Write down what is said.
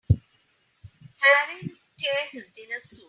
Harry'll tear his dinner suit.